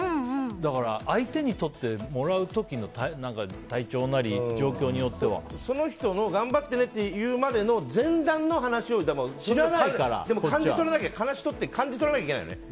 だから、相手にとってもらう時の体調なりその人の頑張ってねって言うまでの前段の話を知らないから。話して感じ取らなきゃいけないのね。